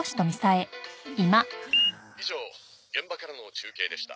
「以上現場からの中継でした」